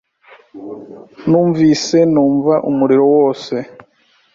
Numvise numva umuriro wose.